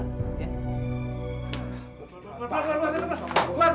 buat buat buat